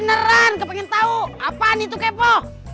nggak pengen tau apaan itu kepo